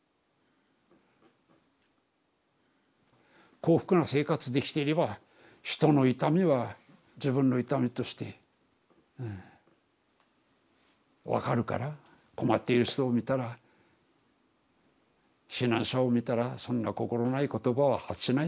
幸福な生活できていれば人の痛みは自分の痛みとしてうん分かるから困っている人を見たら避難者を見たらそんな心ない言葉は発しない。